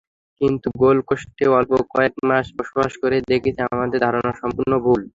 কিন্তু গোল্ডকোস্টে অল্প কয়েক মাস বসবাস করেই দেখেছি, আমাদের ধারণা সম্পূর্ণ ভুল।